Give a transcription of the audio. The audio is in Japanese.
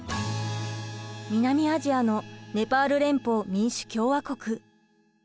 南アジアのネパール連邦民主共和国。